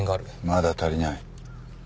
まだ足りない。